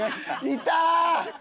いた！